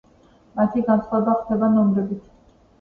მათი განსხვავება ხდება ნომრებით.